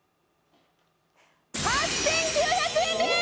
８９００円です！